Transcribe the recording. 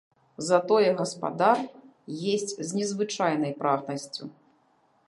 Затое гаспадар есць з незвычайнай прагнасцю.